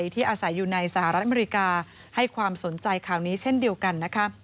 ที่อาศัยอยู่ในสหรัฐอเมริกาให้ความสนใจข่าวนี้เช่นเดียวกันนะคะ